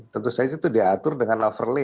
tentu saja itu diatur dengan overlay